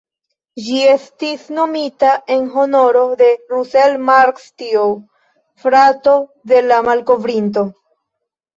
Ĝi estis nomita en honoro de "Russell Mark Steel", frato de la malkovrinto.